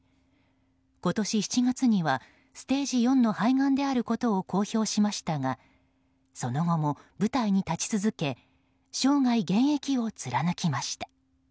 今年７月にはステージ４の肺がんであることを公表しましたがその後も舞台に立ち続け生涯現役を貫きました。